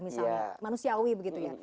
misalnya manusiawi begitu ya